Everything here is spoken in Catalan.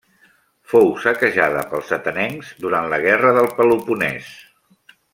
Fou saquejada pels atenencs durant la guerra del Peloponès.